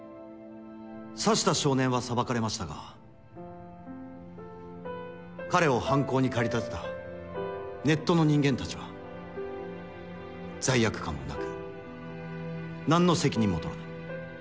刺した少年は裁かれましたが彼を犯行に駆り立てたネットの人間たちは罪悪感もなく何の責任も取らない。